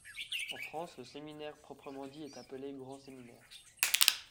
En France, le séminaire proprement dit est appelé Grand séminaire.